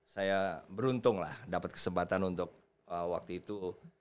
saya beruntung lah dapat kesempatan untuk waktu itu